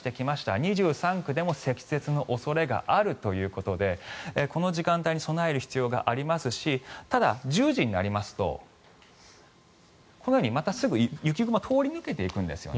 ２３区でも積雪の恐れがあるということでこの時間帯に備える必要がありますしただ、１０時になりますとこのように、またすぐ雪雲は通り抜けていくんですよね。